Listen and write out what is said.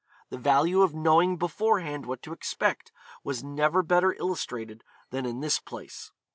The value of knowing beforehand what to expect, was never better illustrated than in this place.